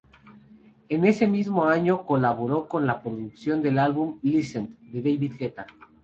En ese mismo año colaboró en la producción del álbum "Listen" de David Guetta.